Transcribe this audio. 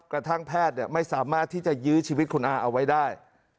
กระทั่งแพทย์ไม่สามารถที่จะยื้อชีวิตคุณอาเอาไว้ได้